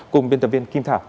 cùng biên tập viên kim thảo